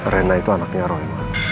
rena itu anaknya roy